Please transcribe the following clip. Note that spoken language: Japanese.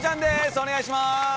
お願いします。